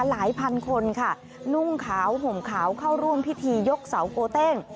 หลายพันคนค่ะนุ่งขาวห่มขาวเข้าร่วมพิธียกเสาโกเต้ง